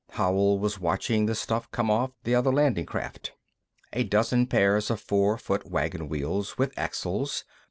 Howell was watching the stuff come off the other landing craft. A dozen pairs of four foot wagon wheels, with axles.